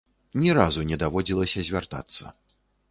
Ні разу не даводзілася звяртацца.